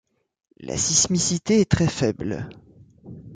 La sismicité est très faible.